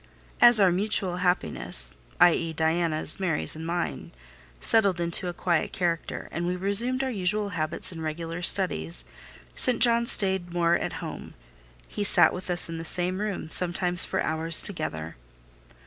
As our mutual happiness (i.e., Diana's, Mary's, and mine) settled into a quieter character, and we resumed our usual habits and regular studies, St. John stayed more at home: he sat with us in the same room, sometimes for hours together.